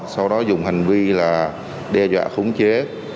sau đó dùng hành vi là đe dọa khống chế